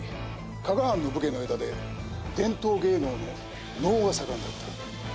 加賀藩の武家の間で伝統芸能の能が盛んだった。